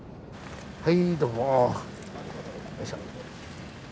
はいどうも。